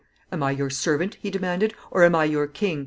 "Am I your servant," he demanded, "or am I your king?